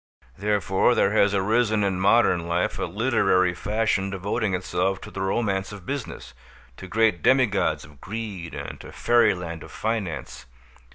Therefore there has arisen in modern life a literary fashion devoting itself to the romance of business, to great demigods of greed and to fairyland of finance.